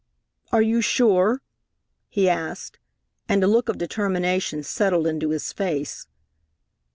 "Are you sure?" he asked, and a look of determination settled into his face.